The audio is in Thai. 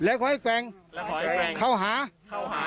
และขอยแกร่งและขอยแกร่งเข้าหาเข้าหา